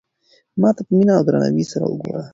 ما ته په مینه او درناوي سره وگوره.